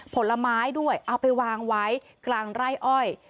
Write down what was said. ผลไม้ด้วยเอาไปวางไว้กลางไร่อ้อย